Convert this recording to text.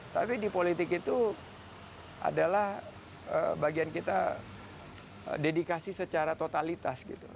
tapi di politik itu adalah bagian kita dedikasi secara totalitas gitu